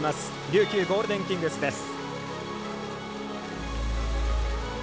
琉球ゴールデンキングスです。